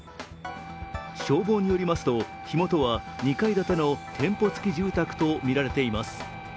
消防によりますと、火元は２階建ての店舗付き住宅とみられています。